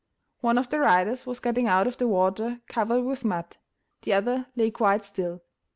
One of the riders was getting out of the water covered with mud, the other lay quite still.